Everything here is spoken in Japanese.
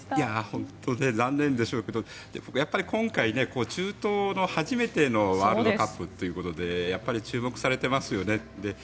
本当に残念でしょうけど僕、今回中東の初めてのワールドカップということでやっぱり注目されていますよね。